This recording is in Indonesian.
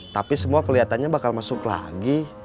tapi semua kelihatannya bakal masuk lagi